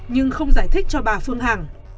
nhưng không giải thích cho bà phương hằng